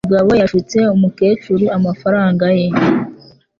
Umugabo yashutse umukecuru amafaranga ye.